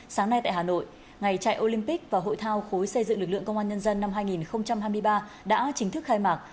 sáng nay tại hà nội ngày chạy olympic và hội thao khối xây dựng lực lượng công an nhân dân năm hai nghìn hai mươi ba đã chính thức khai mạc